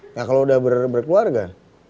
nah kalau udah berkeluarga